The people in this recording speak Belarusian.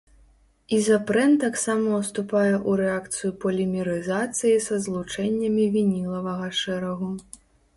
Ізапрэн таксама ўступае ў рэакцыю полімерызацыі са злучэннямі вінілавага шэрагу.